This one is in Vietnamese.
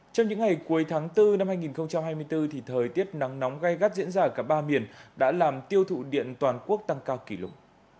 trong những ngày cuối tháng bốn năm hai nghìn hai mươi bốn thời tiết nắng nóng gai gắt diễn ra ở cả ba miền đã làm tiêu thụ điện toàn quốc tăng cao kỷ lục